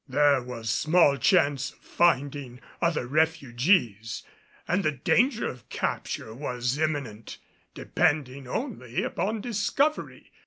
There was small chance of finding other refugees and the danger of capture was imminent, depending only upon discovery.